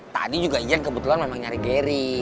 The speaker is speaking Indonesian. tadi juga iyan kebetulan memang nyari geri